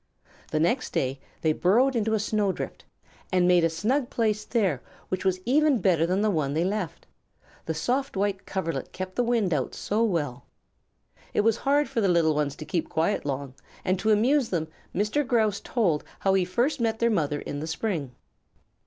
The next day they burrowed into a snow drift and made a snug place there which was even better than the one they left; the soft white coverlet kept the wind out so well. It was hard for the little ones to keep quiet long, and to amuse them Mr. Grouse told how he first met their mother in the spring.